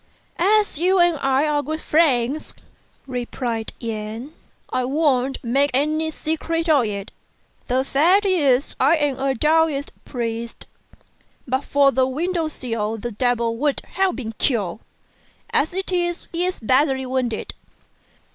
"As you and I are good friends," replied Yen, "I won't make any secret of it. The fact is I am a Taoist priest. But for the window sill the devil would have been killed; as it is, he is badly wounded."